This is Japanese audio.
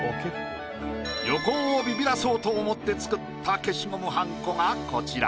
横尾をビビらそうと思って作った消しゴムはんこがこちら。